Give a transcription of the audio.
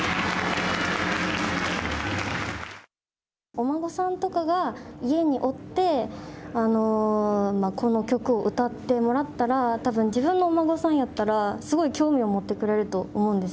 お孫さんとかが家におってこの曲を歌ってもらったらたぶん自分がお孫さんやったら興味を持ってくれると思うんです。